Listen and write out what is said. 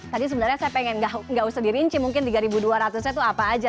tadi sebenarnya saya ingin tidak usah dirinci mungkin tiga ribu dua ratus itu apa saja